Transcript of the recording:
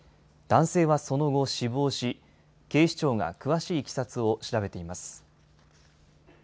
男性はその後、死亡し、警視庁が詳しいいきさつを調べています。